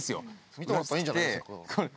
見てもらったらいいんじゃないですか。